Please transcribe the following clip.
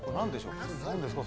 ・何ですか？